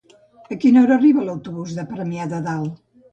A quina hora arriba l'autobús de Premià de Dalt?